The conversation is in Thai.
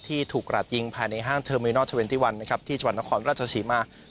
ถูกกระดยิงภายในห้างเทอร์มินอลเทอร์เวนตี้วันนะครับที่จังหวัดนครราชศรีมา